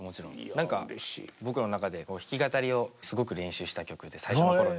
何か僕の中で弾き語りをすごく練習した曲で最初の頃に。